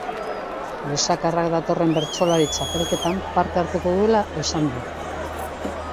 Lesakarrak datorren bertsolari txapelketan parte hartuko duela esan du.